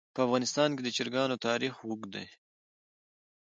په افغانستان کې د چرګانو تاریخ اوږد دی.